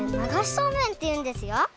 そうめんっていうんですよ！